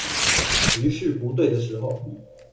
局勢不對的時候